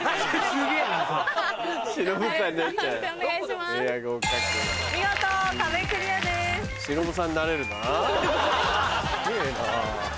すげぇな。